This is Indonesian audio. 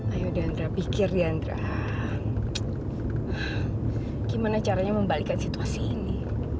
ayo d'andra pikir d'andra gimana caranya membalikan situasi ini